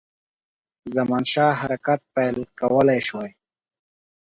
زمانشاه حرکت پیل کولای شوای.